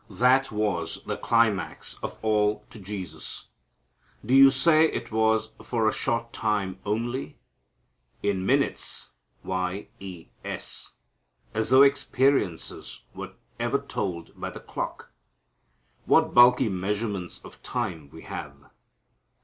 That was the climax of all to Jesus. Do you say it was for a short time only? In minutes y e s. As though experiences were ever told by the clock! What bulky measurements of time we have!